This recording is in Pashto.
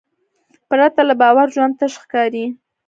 پرته له باور ژوند تش ښکاري.